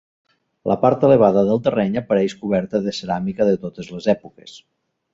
La part elevada del terreny apareix coberta de ceràmica de totes les èpoques.